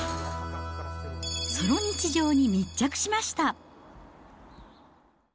その日常に密着しました。